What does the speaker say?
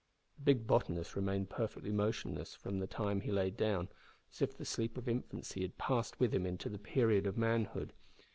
The big botanist remained perfectly motionless from the time he lay down, as if the sleep of infancy had passed with him into the period of manhood.